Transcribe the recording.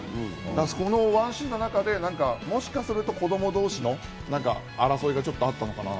このワンシーンの中でもしかすると、子供同士の争いがちょっとあったのかな？